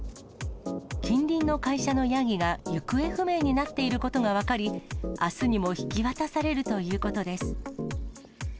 近隣の会社のヤギが行方不明になっていることが分かり、あすにも引き渡されるということです。